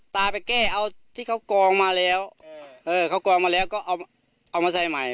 ตาไปแก้เอาที่เขากองมาแล้วเขากองมาแล้วก็เอามาใส่ใหม่